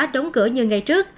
đóng cửa như ngày trước